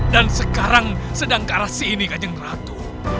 dan sekarang sedang ke arah sini kajeng ratu